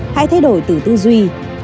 hãy thay đổi từ tư duy